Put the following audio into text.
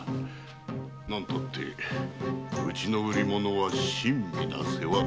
何たってうちの売りものは親身な世話だからね。